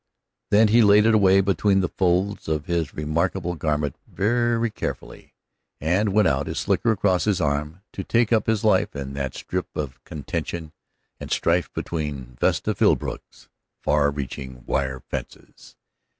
Then he laid it away between the folds of his remarkable garment very carefully, and went out, his slicker across his arm, to take up his life in that strip of contention and strife between Vesta Philbrook's far reaching wire fences.